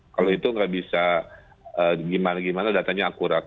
kalau itu nggak bisa gimana gimana datanya akurat